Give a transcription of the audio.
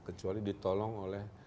kecuali ditolong oleh